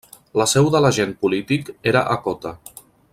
La seu de l'agent polític era a Kota.